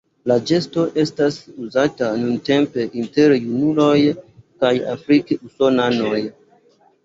La gesto estas uzata nuntempe inter junuloj kaj afrik-usonanoj.